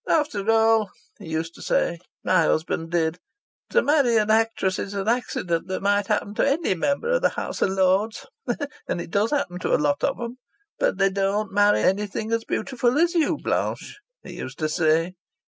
'After all,' he used to say, my husband did, 'To marry an actress is an accident that might happen to any member of the House of Lords and it does happen to a lot of 'em but they don't marry anything as beautiful as you, Blanche,' he used to say.